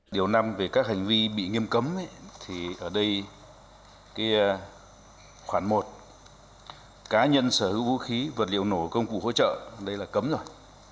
điều năm về các hành vi bị nghiêm cấm thì ở đây khoảng một cá nhân sở hữu vũ khí vật liệu nổ công cụ hỗ trợ đây là cấm rồi